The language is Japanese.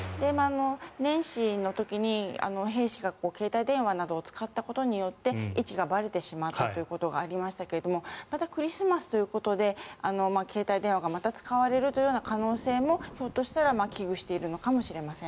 年始の時に兵士が携帯電話などを使ったことによって位置がばれてしまったということがありましたがまたクリスマスということで携帯電話がまた使われるという可能性もひょっとしたら危惧しているのかもしれません。